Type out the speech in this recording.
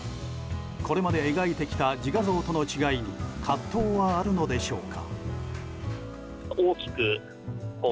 これまで描いてきた自画像との違いに葛藤はあるのでしょうか。